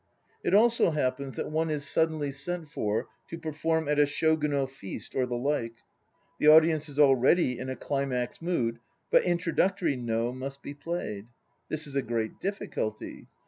It also happens that one is suddenly sent for to perform at a unal feast or the like. The audience is already in a "climax mood"; but "introductory" No must be played. This is a great difficulty.